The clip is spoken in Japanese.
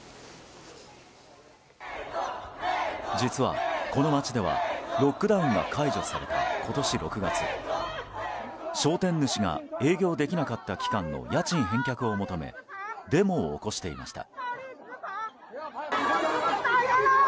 実は、この街ではロックダウンが解除された今年６月、商店主が営業できなかった期間の家賃返却を求めデモを起こしていました。